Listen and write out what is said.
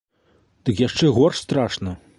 Дык яшчэ горш страшна.